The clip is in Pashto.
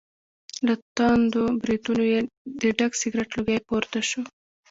له تاندو برېتونو یې د ډک سګرټ لوګی پور ته شو.